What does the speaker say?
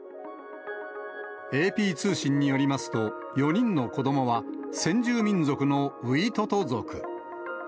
ＡＰ通信によりますと、４人の子どもは、先住民族のウイトト族。